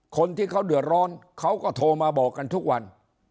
คนที่เขาเดือดร้อนเขาก็โทรมาบอกกันทุกวัน